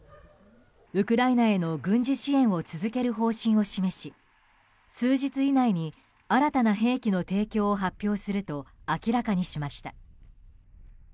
ウクライナへの軍事支援を続ける方針を示し数日以内に新たな兵器の提供を発表すると明らかにしました。